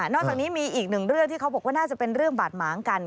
จากนี้มีอีกหนึ่งเรื่องที่เขาบอกว่าน่าจะเป็นเรื่องบาดหมางกัน